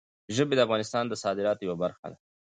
ژبې د افغانستان د صادراتو یوه برخه ده.